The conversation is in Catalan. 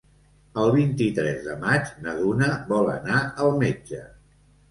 El vint-i-tres de maig na Duna vol anar al metge.